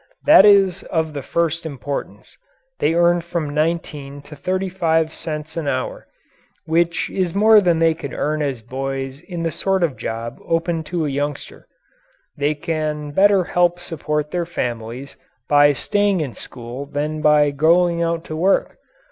That is of the first importance. They earn from 19 to 35 cents an hour which is more than they could earn as boys in the sort of job open to a youngster. They can better help support their families by staying in school than by going out to work.